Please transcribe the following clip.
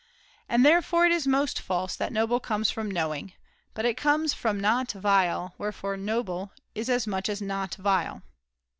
And therefore it is most false that noble comes from knowing ; but it comes from not vile, wherefore 'noble' is as much as * not vile.'